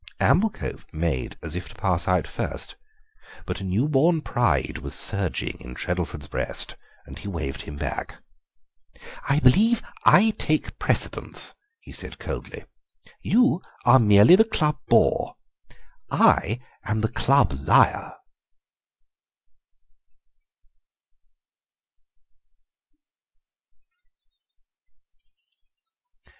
Amblecope made as if to pass out first, but a new born pride was surging in Treddleford's breast and he waved him back. "I believe I take precedence," he said coldly; "you are merely the club Bore; I am the club Liar."